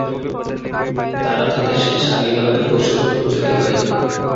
তারা তাদের শেষ আবির্ভাবের বছর অনুযায়ী হয়।